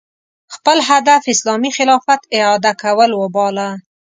خپل هدف اسلامي خلافت اعاده کول وباله